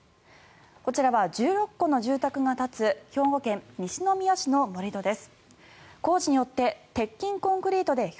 こちらは１６戸の住宅が立つ兵庫県西宮市の盛り土です。